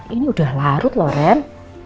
ini udah larut loh ren